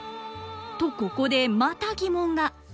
とここでまた疑問が。